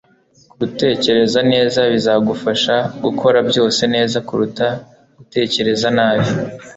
gutekereza neza bizagufasha gukora byose neza kuruta gutekereza nabi